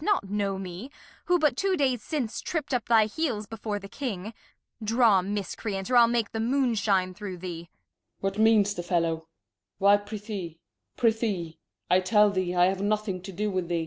not know me, who but two Days since tript up thy Heels before the King : Draw, Miscreant, or I'U make the Moon shine through thee. 196 The History of [Act 11 Gent. What means the Fellow; Why, prethee, pre thee ; I teU thee I have nothing to do with thee.